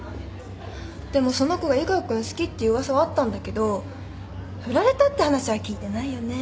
でもその子が湯川君好きっていう噂はあったんだけど振られたって話は聞いてないよね。